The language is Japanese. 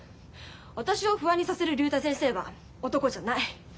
私を不安にさせる竜太先生は男じゃない。